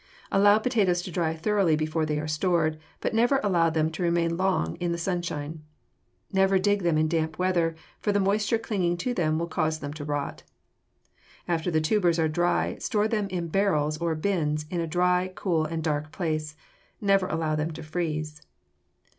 Allow potatoes to dry thoroughly before they are stored, but never allow them to remain long in the sunshine. Never dig them in damp weather, for the moisture clinging to them will cause them to rot. After the tubers are dry, store them in barrels or bins in a dry, cool, and dark place. Never allow them to freeze.